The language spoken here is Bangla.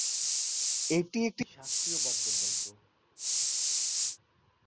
এটি একটি শাস্ত্রীয় বাদ্যযন্ত্র।